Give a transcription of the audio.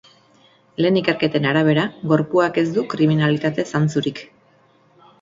Lehen ikerketen arabera, gorpuak ez du kriminalitate zantzurik.